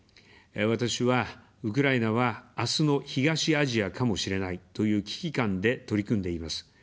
私は「ウクライナは、あすの東アジアかもしれない」という危機感で取り組んでいます。